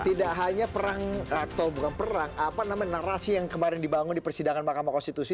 tidak hanya perang atau bukan perang apa namanya narasi yang kemarin dibangun di persidangan makam konstitusi